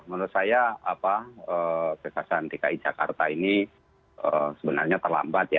menurut saya kesehasan dki jakarta ini sebenarnya terlambat ya